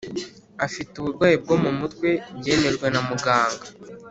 Afite uburwayi bwo mu mutwe byemejwe na muganga